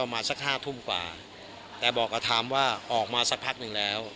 มาสักห้าทุ่มกว่าแต่บอกกับไทม์ว่าออกมาสักพักหนึ่งแล้ว